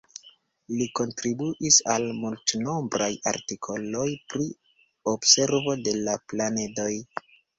Li kontribuis al multnombraj artikoloj pri observo de la planedoj.